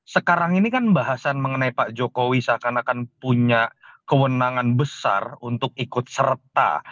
sekarang ini kan bahasan mengenai pak jokowi seakan akan punya kewenangan besar untuk ikut serta